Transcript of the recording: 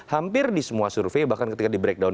hampir di semua survei bahkan ketika di breakdown